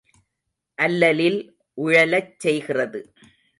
அல்லலில் உழலச் செய்கிறது.